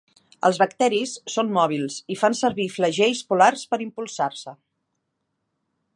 Els bacteris són mòbils, i fan servir flagells polars per impulsar-se.